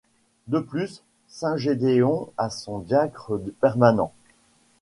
De plus, Saint-Gédéon a son diacre permanent.